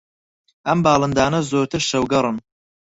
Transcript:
ئەم باڵندانە زۆرتر شەوگەڕن